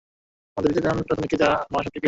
আমাদের ইতালিয়ান রাধুনিকে মা সব শিখিয়েছে।